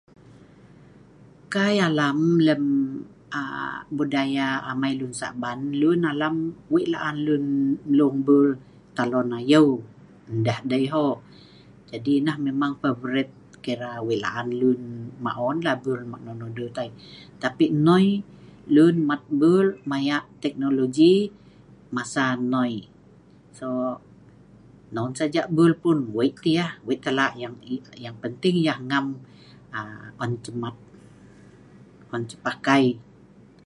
Kai alam lem Budaya amai lun saban, lun alam wei laan lun mung bul talon ayeuu ndeh dei hok..Nah memang(ayo') favourite(laan) kira wei laan lun maon mat Bul nok nonoh dut. Tapi nnoi lun mat bul maya teknologi( kemajuan) .Masa nnoi Non saja bul pun(pah) wei tah yah.yang(nok) penting yah ngam an ceh mat, an ceh pakai(mlung)